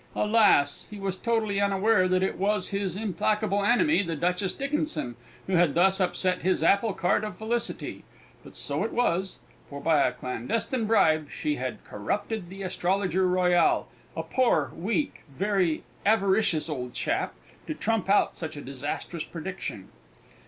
Alas! he was totally unaware that it was his implacable enemy, the Duchess Dickinson, who had thus upset his apple cart of felicity but so it was, for by a clandestine bribe, she had corrupted the Astrologer Royal a poor, weak, very avaricious old chap to trump out such a disastrous prediction.